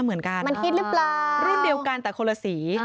รูปเดียวกันแต่คนละสี